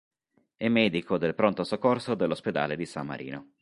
È medico del pronto soccorso dell'ospedale di San Marino.